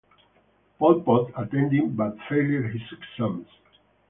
Pol Pot attended but failed his exams.